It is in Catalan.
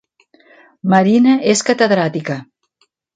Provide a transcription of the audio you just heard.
Marina és catedràtica